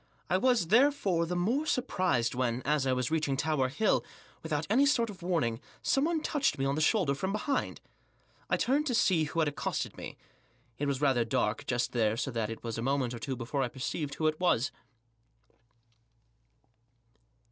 I was, therefore, the more surprised when, as I was reaching Tower Hill, without any sort of warning, someone touched me on the shoulder from behind. I turned to see who had accosted me. It was rather dark just there, so that it was a moment or two before I perceived who it was.